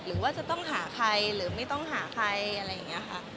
หรือว่าจะต้องหาใครหรือไม่ต้องหาใครอะไรอย่างนี้ค่ะ